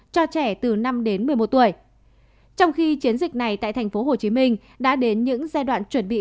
cho trẻ từ năm đến một mươi một tuổi trong khi chiến dịch này tại tp hcm đã đến những giai đoạn chuẩn bị